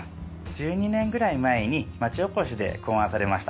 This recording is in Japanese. １２年ぐらい前に町おこしで考案されました。